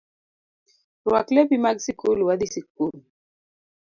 Rwak lepi mag sikul wadhii sikul